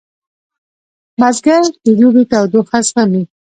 بزګر د دوبي تودوخه زغمي